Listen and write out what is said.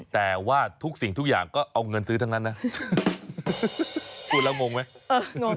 แต่ว่าทุกสิ่งทุกอย่างก็เอาเงินซื้อทั้งนั้นนะพูดแล้วงงไหมงง